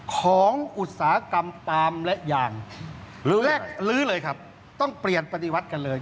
อุตสาหกรรมตามและอย่างลื้อแรกลื้อเลยครับต้องเปลี่ยนปฏิวัติกันเลย